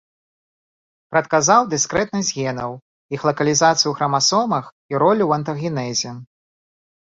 Прадказаў дыскрэтнасць генаў, іх лакалізацыю ў храмасомах і ролю ў антагенезе.